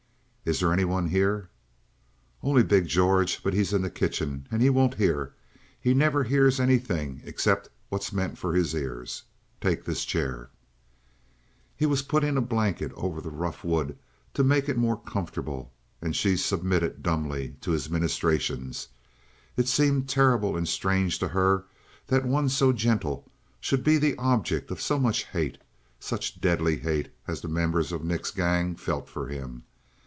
"Is there anyone here?" "Only big George. But he's in the kitchen and he won't hear. He never hears anything except what's meant for his ear. Take this chair!" He was putting a blanket over the rough wood to make it more comfortable, and she submitted dumbly to his ministrations. It seemed terrible and strange to her that one so gentle should be the object of so much hate such deadly hate as the members of Nick's gang felt for him.